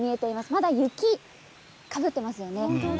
まだ雪をかぶっていますね。